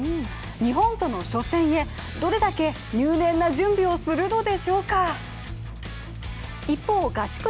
日本との初戦へ、どれだけ入念な準備をするのでしょうか。